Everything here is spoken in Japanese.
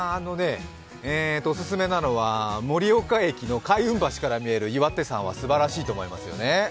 オススメなのは盛岡駅の開運橋から見える岩手山はすばらしいと思いますね。